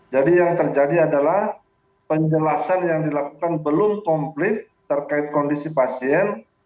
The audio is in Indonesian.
jadi yang terjadi adalah penjelasan yang dilakukan belum komplit terkait kondisi pasien